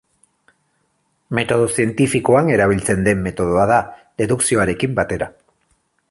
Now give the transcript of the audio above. Metodo zientifikoan erabiltzen den metodoa da, dedukzioarekin batera.